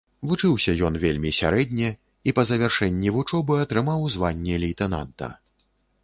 Вучыўся ён вельмі сярэдне, і па завяршэнні вучобы атрымаў званне лейтэнанта.